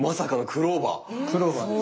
クローバーです。